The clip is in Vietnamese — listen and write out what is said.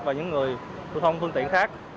và những người thu thông phương tiện khác